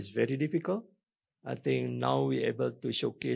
saya pikir sekarang kita dapat menunjukkan